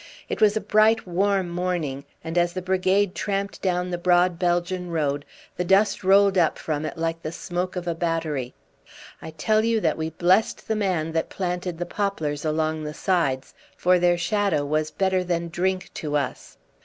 It was a bright warm morning, and as the brigade tramped down the broad Belgian road the dust rolled up from it like the smoke of a battery. I tell you that we blessed the man that planted the poplars along the sides, for their shadow was better than drink to us.